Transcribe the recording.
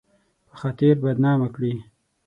په خاطر بدنامه کړي